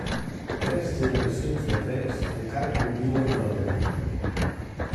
Tres generacions de trens encara conviuen a la línia.